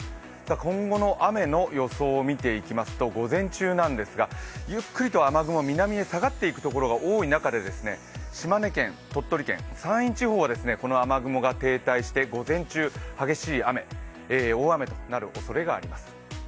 今後の雨の予想を見ていきますと、午前中なんですが、ゆっくりと雨雲、南へ下がっていくところが多い中島根県、鳥取県、山陰地方はこの雨雲が停滞して午前中、激しい大雨となるおそれがあります。